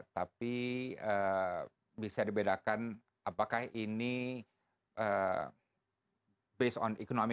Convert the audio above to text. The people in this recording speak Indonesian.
tapi bisa dibedakan apakah ini berdasarkan kemurahan ekonomi